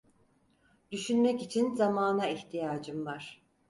Düşünmek için zamana ihtiyacım var.